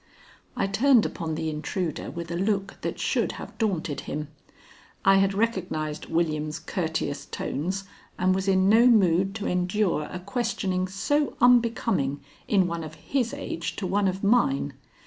I turned upon the intruder with a look that should have daunted him. I had recognized William's courteous tones and was in no mood to endure a questioning so unbecoming in one of his age to one of mine.